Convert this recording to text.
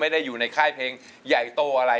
ไม่ได้อยู่ในค่ายเพลงใหญ่โตอะไร